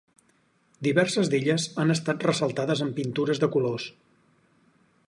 Diverses d'elles han estat ressaltades amb pintures de colors.